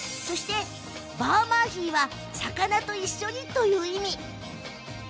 バーマーヒーは魚と一緒に、という意味。